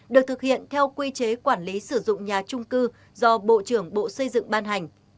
được thực hiện theo quy chế quản lý sử dụng nhà trung cư do bộ trưởng bộ xây dựng ban hành